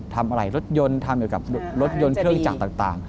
ทำอะไรรถยนต์ทำอยู่กับรถยนต์เครื่องจักรต่าง